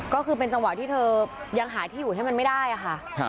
ก็คือเป็นจังหวะที่เธอยังหาที่อยู่ให้มันไม่ได้ค่ะ